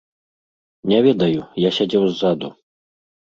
Не ведаю, я сядзеў ззаду.